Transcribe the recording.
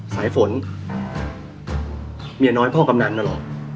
สายฝนเมียน้อยพ่อกามนั้นล่อ